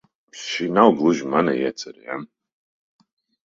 Šī nav gluži mana iecere, ja?